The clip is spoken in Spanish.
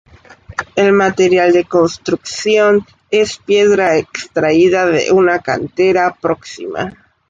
El material de construcción es piedra extraída de una cantera próxima.